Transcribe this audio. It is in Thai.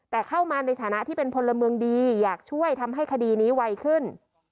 แต่เข้ามาในฐานะที่เป็นพลเมืองดีอยากช่วยทำให้คดีนี้ไวขึ้น